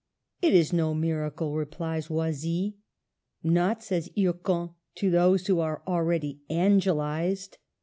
"■ It is no miracle," replies Oisille. " Not," says Hircan, '' to those who are already angelized."